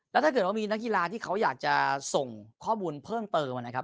แล้วถ้าเกิดว่ามีนักกีฬาที่เขาอยากจะส่งข้อมูลเพิ่มเติมนะครับ